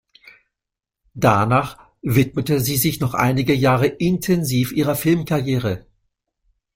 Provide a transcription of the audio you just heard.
Danach widmete sie sich noch einige Jahre intensiv ihrer Filmkarriere.